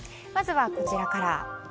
まずはこちらから。